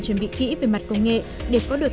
chuẩn bị kỹ về mặt công nghệ để có được